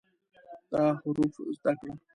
دا حروف زده کړه